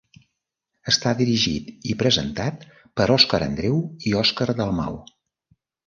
Està dirigit i presentat per Òscar Andreu i Òscar Dalmau.